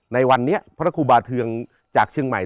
ในวันนี้พระครูบาเทืองจากเชียงใหม่